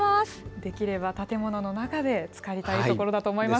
できれば建物の中で浸かりたいところだと思います。